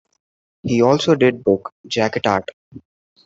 He also did book jacket art.